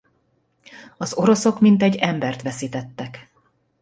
Az oroszok mintegy embert veszítettek.